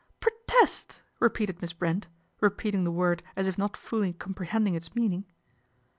" Protest !" repeated Miss Brent, repeating the word as if not fully comprehending its meaning.